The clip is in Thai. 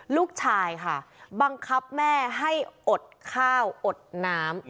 ลูกชายค่ะบังคับแม่ให้อดข้าวอดน้ำ